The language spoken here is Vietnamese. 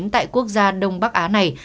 tại quốc gia đông bắc á này